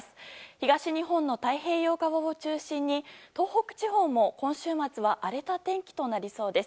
東日本の太平洋側を中心に東北地方も今週末は荒れた天気となりそうです。